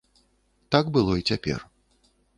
Так было і цяпер.